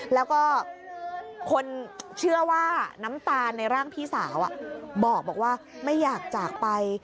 แล้วก็คนเชื่อว่าน้ำตาลในร่างพี่สาวบอกว่าไม่อยากจากไป